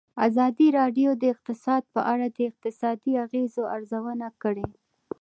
ازادي راډیو د اقتصاد په اړه د اقتصادي اغېزو ارزونه کړې.